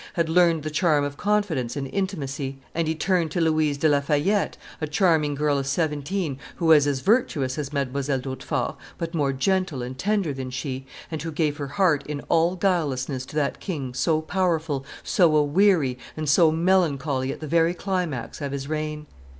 had learned the charm of confidence and intimacy; and he turned to Louise de La Fayette, a charming girl of seventeen, who was as virtuous as Mdlle. d'Hautefort, but more gentle and tender than she, and who gave her heart in all guilelessness to that king so powerful, so a weary, and so melancholy at the very climax of his reign.